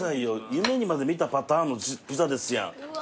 夢にまで見たパターンのピザですやん。